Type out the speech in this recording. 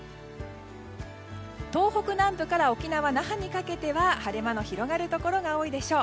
東北南部から沖縄・那覇にかけては晴れ間の広がるところが多いでしょう。